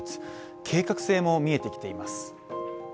計画性も見えてきています。